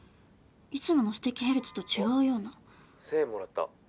いつものすてきヘルツと違うような「１，０００円もらった」